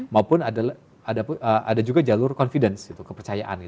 maupun ada juga jalur confidence gitu kepercayaan